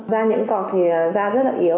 da nhiễm cọc thì da rất là yếu